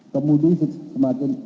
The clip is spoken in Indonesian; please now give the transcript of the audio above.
kemudi semakin berbelok ke kanan